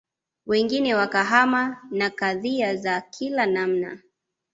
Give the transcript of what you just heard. Wengine wakahama na kadhia za kila namna